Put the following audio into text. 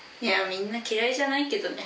みんな嫌いじゃないけどね。